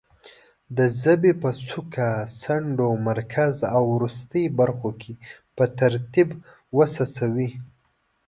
د ژبې په څوکه، څنډو، مرکز او وروستۍ برخو کې په ترتیب وڅڅوي.